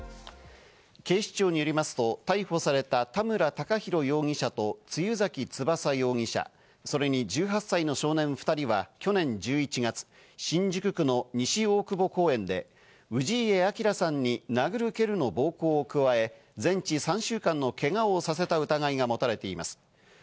警視庁によりますと逮捕された田村孝広容疑者と露崎翼容疑者、それに１８歳の少年２人は去年１１月、新宿区の西大久保公園で氏家彰さんに殴る蹴るの暴行を加え、全治３週間のけがをさせた疑いが持たれています。